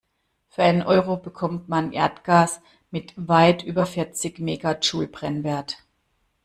Für einen Euro bekommt man Erdgas mit weit über vierzig Megajoule Brennwert.